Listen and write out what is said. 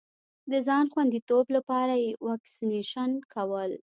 د ځان خوندیتوب لپاره یې واکسېنېشن کول.